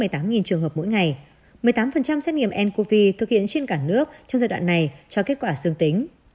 trường hợp mỗi ngày một mươi tám xét nghiệm ncov thực hiện trên cả nước trong giai đoạn này cho kết quả dương tính